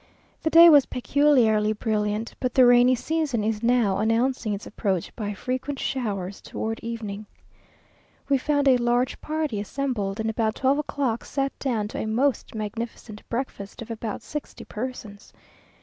The day was peculiarly brilliant, but the rainy season is now announcing its approach by frequent showers towards evening. We found a large party assembled, and about twelve o'clock sat down to a most magnificent breakfast of about sixty persons.